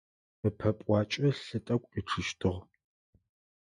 Ыпэ пӏуакӏэ лъы тӏэкӏу къичъыщтыгъ.